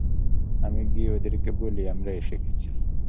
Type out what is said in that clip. আমি গিয়ে ওদেরকে বলি আমরা এসে গেছি।